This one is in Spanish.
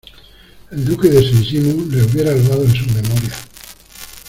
el Duque de Saint Simón le hubiera loado en sus Memorias